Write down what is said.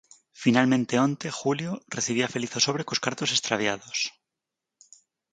Finalmente onte Julio, recibía feliz o sobre cos cartos extraviados.